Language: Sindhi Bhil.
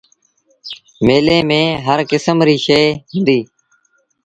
ميلي ميݩ هر ڪسم ريٚ شئي هُݩديٚ۔